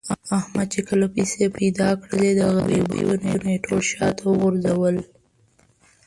احمد چې کله پیسې پیدا کړلې، د غریبۍ وختونه یې ټول شاته و غورځول.